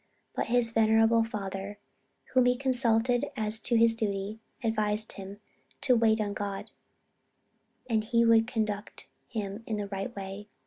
But his venerable father, whom he consulted as to his duty, advised him "to wait on God, and He would conduct him in the right way."